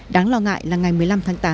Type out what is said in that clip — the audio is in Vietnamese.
đáng lo ngại là ngày một mươi năm tháng tám